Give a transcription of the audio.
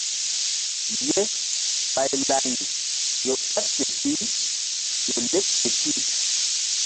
Ye ɓay lari ƴo ɓeɓ fe pi ƴo lek fe pi.